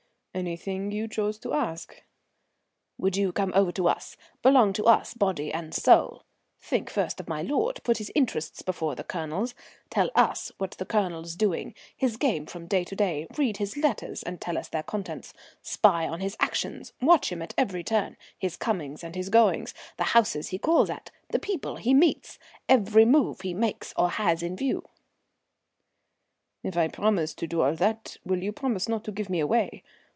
"Anything you chose to ask." "Would you come over to us, belong to us body and soul? Think first of my lord, put his interests before the Colonel's; tell us what the Colonel's doing, his game from day to day, read his letters, and tell us their contents; spy on his actions, watch him at every turn, his comings and his goings; the houses he calls at, the people he meets, every move he makes or has in view?" "If I promise to do all that will you promise not to give me away?